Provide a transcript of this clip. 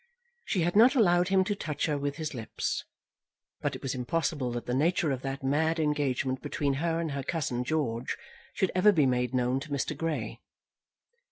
She had not allowed him to touch her with his lips. But it was impossible that the nature of that mad engagement between her and her cousin George should ever be made known to Mr. Grey.